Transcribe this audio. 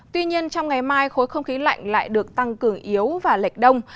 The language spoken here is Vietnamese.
tuy nhiên trong ngày mai khối không khí lạnh lại được tăng cường yếu và lệch đông